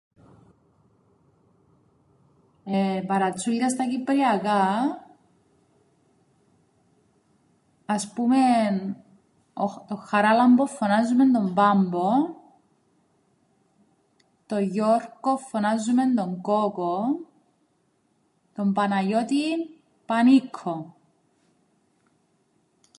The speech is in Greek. Εεε, παρατσούκλια στα κυπριακά, ας πούμεν τον Χαράλαμπον φωνάζουμεν τον Πάμπον, τον Γιώρκον φωνάζουμεν τον Κόκον, τον Παναγιώτην Πανίκκον.